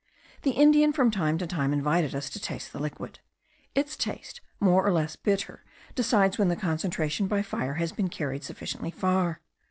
The Indian from time to time invited us to taste the liquid; its taste, more or less bitter, decides when the concentration by fire has been carried sufficiently far.